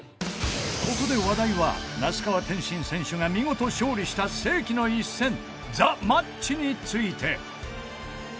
ここで話題は那須川天心選手が見事勝利した世紀の一戦ＴＨＥＭＡＴＣＨについて。